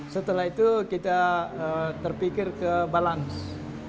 setelah itu kita terpikir ke balance